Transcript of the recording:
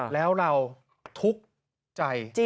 แล้วเราทุกข์ใจ